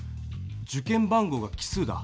受験番号が奇数だ。